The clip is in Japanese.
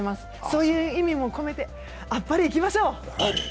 そういう意味も込めてあっぱれいきましょう。